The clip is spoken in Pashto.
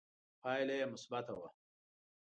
پایله یې مثبته وه